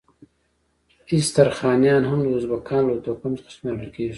استرخانیان هم د ازبکانو له توکم څخه شمیرل کیږي.